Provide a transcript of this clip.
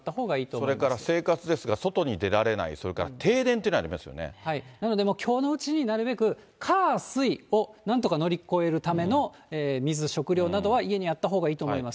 それから生活ですが、外に出られない、停電というのありますなのできょうのうちになるべく火、水をなんとか乗り越えるための水、食料などは家に合ったほうがいいと思います。